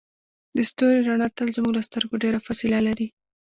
د ستوري رڼا تل زموږ له سترګو ډیره فاصله لري.